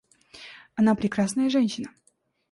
Она прекрасная женщина.